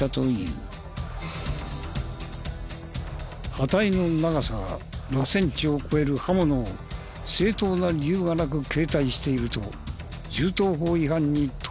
刃体の長さが６センチを超える刃物を正当な理由がなく携帯していると銃刀法違反に問われる。